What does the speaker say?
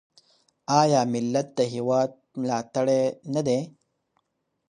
آیا ملت د هیواد ملاتړی نه دی؟